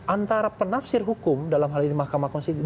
antara penafsir hukum dalam hal ini mahkamah konstitusi